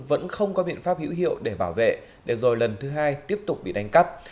vẫn không có biện pháp hữu hiệu để bảo vệ để rồi lần thứ hai tiếp tục bị đánh cắp